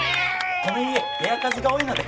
この家部屋数が多いので。